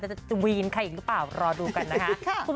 จะวีนใครอีกหรือเปล่ารอดูกันนะคะ